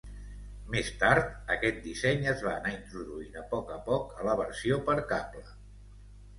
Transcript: Més tard, aquest disseny es va anar introduint a poc a poc a la versió per cable.